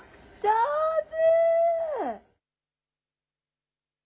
上手。